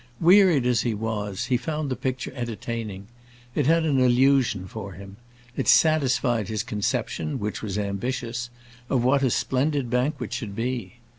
Wearied as he was he found the picture entertaining; it had an illusion for him; it satisfied his conception, which was ambitious, of what a splendid banquet should be.